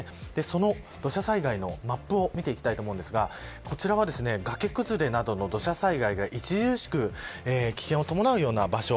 その土砂災害のマップを見ていきますがこちらは崖崩れなどの土砂災害が著しく危険を伴うような場所。